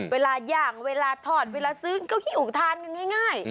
อย่างเวลาถอดเวลาซื้อก็ขี้อุทานกันง่าย